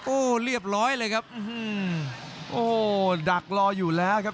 โอ้โหเรียบร้อยเลยครับโอ้ดักรออยู่แล้วครับ